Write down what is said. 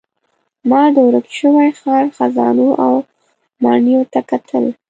ما د ورک شوي ښار خزانو او ماڼیو ته کتل.